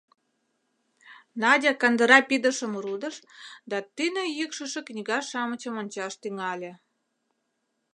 Надя кандыра пидышым рудыш да тӱнӧ йӱкшышӧ книга-шамычым ончаш тӱҥале.